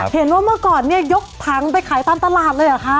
เมื่อก่อนเนี่ยยกถังไปขายตามตลาดเลยเหรอคะ